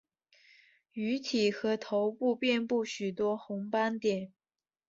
鱼体和头部遍布许多红斑点。